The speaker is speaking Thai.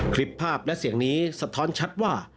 คลิปภาพและเสียงนี้สะท้อนชัดว่า